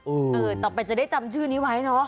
เออต่อไปจะได้จำชื่อนี้ไว้เนอะ